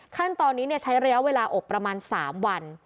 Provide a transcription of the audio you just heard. ขั้นตอนนี้ใช้ระยะเวลาอบประมาณ๓วัน